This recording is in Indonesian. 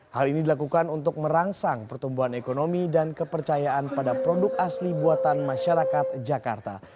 hal ini dilakukan untuk merangsang pertumbuhan ekonomi dan kepercayaan pada produk asli buatan masyarakat jakarta